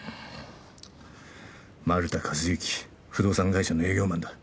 丸田和之不動産会社の営業マンだ。